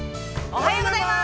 ◆おはようございます。